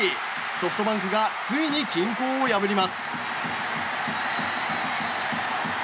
ソフトバンクがついに均衡を破ります。